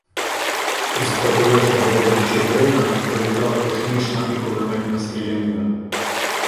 Із протилежного боку Чигирина долітала рушнична і кулеметна стрілянина.